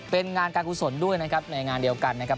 เป็นงานการกุศลด้วยนะครับในงานเดียวกันนะครับ